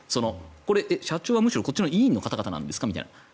これ、社長はむしろこっちの委員の方々なんですか？と。